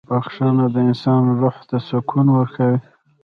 • بخښنه د انسان روح ته سکون ورکوي.